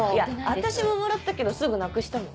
私ももらったけどすぐなくしたもん。